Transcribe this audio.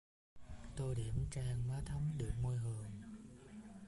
Tô điểm trang má thắm đượm môi hường